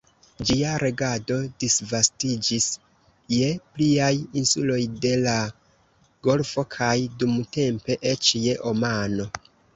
Ĝia regado disvastiĝis je pliaj insuloj de la golfo kaj dumtempe eĉ je Omano.